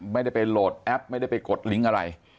ไม่ได้ไปโหลดแอปไม่ได้ไปกดลิงก์อะไร